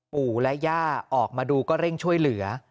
ปู่และย่าออกมาดูก็เร่งช่วยเหลือ